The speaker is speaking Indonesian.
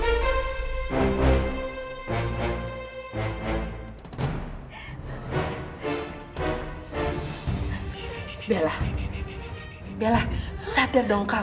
kenapa rona terlalu kelihatan miserable menjadi perasaan